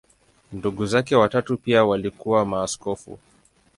Ndugu zake watatu pia walikuwa maaskofu.